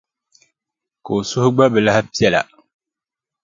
Ka o suhu gba bi lahi piɛla.